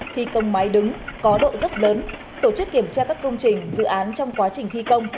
thi công máy đứng có độ dốc lớn tổ chức kiểm tra các công trình dự án trong quá trình thi công